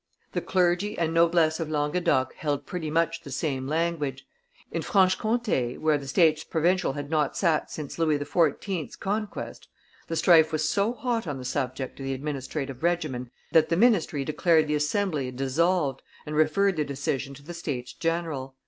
The clergy and noblesse of Languedoc held pretty much the same language. In Franche Comte, where the states provincial had not sat since Louis XIV.'s conquest, the strife was so hot on the subject of the administrative regimen, that the ministry declared the assembly dissolved, and referred the decision to the States general.